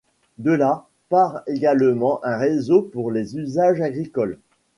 De là part également un réseau pour les usages agricoles.